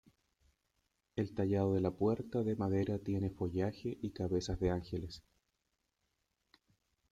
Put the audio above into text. El tallado de la puerta de madera tiene follaje y cabezas de ángeles.